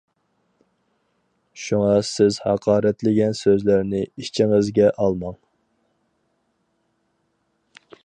شۇڭا سىز ھاقارەتلىگەن سۆزلەرنى ئىچىڭىزگە ئالماڭ.